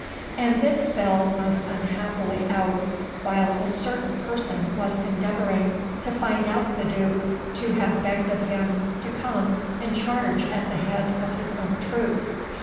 And this fell most unhappily out, while a certain person was endeavouring to find out the Duke to have begged of him to come and charge at the head of his own troops.